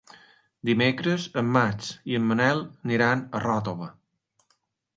Dimecres en Max i en Manel aniran a Ròtova.